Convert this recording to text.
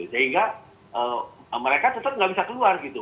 sehingga mereka tetap nggak bisa keluar gitu